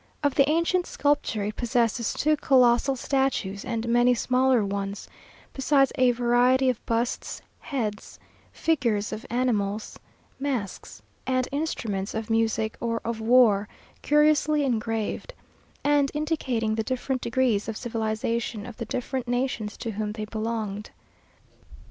Of the ancient sculpture, it possesses two colossal statues and many smaller ones, besides a variety of busts, heads, figures of animals, masks, and instruments of music or of war, curiously engraved, and indicating the different degrees of civilization of the different nations to whom they belonged.